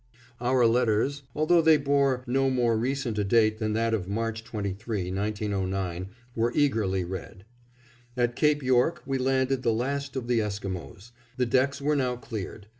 Our letters, although they bore no more recent a date than that of March 23, 1909, were eagerly read. At Cape York we landed the last of the Esquimos. The decks were now cleared.